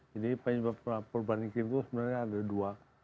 jadi perubahan iklim itu sebenarnya ada dua